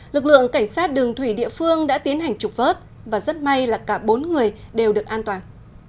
lực lượng cảnh sát đường thủy địa phương đã tiến hành trục vớt và rất may là cả bốn người đều được an toàn